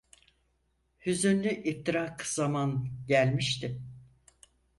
Hüzünlü iftirak zaman, gelmişti.